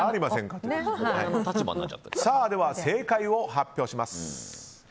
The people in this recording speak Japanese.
では正解を発表します。